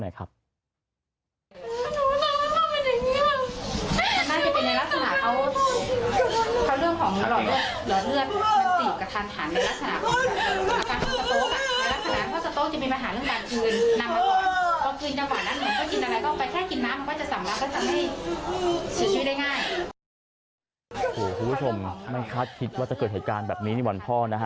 คุณผู้ชมไม่คาดคิดว่าจะเกิดเหตุการณ์แบบนี้ในวันพ่อนะฮะ